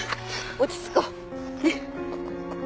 落ち着こうねっ。